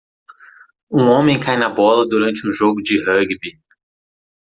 Um homem cai na bola durante um jogo de rúgbi